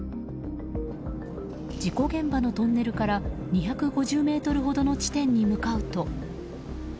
事故現場のトンネルから２５０ｍほどの地点に向かうと。